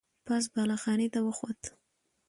پاس بالا خانې ته وخوته.